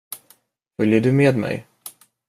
Följer du med mig?